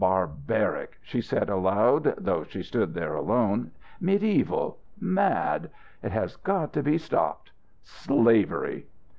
"Barbaric!" she said aloud, though she stood there alone. "Medieval! Mad! It has got to be stopped. Slavery!"